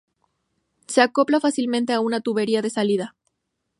Se acopla fácilmente a una tubería de salida.